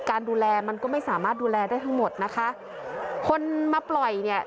การดูแลมันก็ไม่สามารถดูแลได้ทั้งหมดนะคะคนมาปล่อยเนี่ย